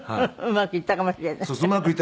うまくいったかもしれない？